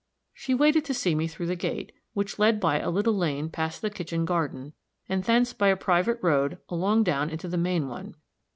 She waited to see me through the gate, which led by a little lane past the kitchen garden, and thence by a private road along down into the main one.